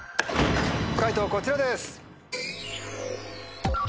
解答こちらです。